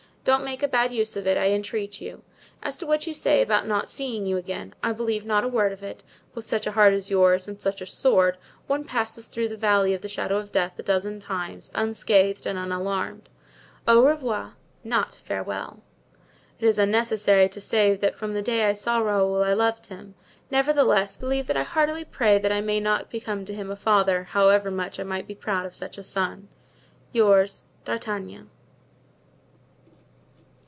Don't make a bad use of it, I entreat you. "As to what you say about not seeing you again, I believe not a word of it; with such a heart as yours—and such a sword—one passes through the valley of the shadow of death a dozen times, unscathed and unalarmed. Au revoir, not farewell. "It is unnecessary to say that from the day I saw Raoul I loved him; nevertheless, believe that I heartily pray that I may not become to him a father, however much I might be proud of such a son. "Your "D'Artagnan.